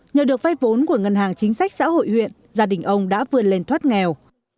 nhờ được vay vốn của ngân hàng chính sách xã hội huyện gia đình ông đã vươn lên thoát nghèo